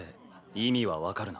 意味は分かるな？